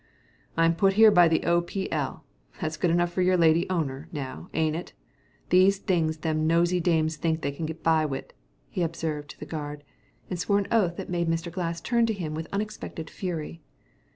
"I'm put here by the O.P.L. That's good enough fer yer lady owner now ain't it? The things them nosey dames thinks they can git by wit'!" he observed to the guard, and swore an oath that made Mr. Glass turn to him with unexpected fury.